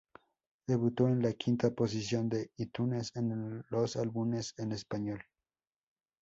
Debutó en la quinta posición de Itunes en los álbumes en español.